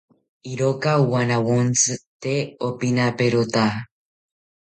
Iroka owanawontzi tee opinaperota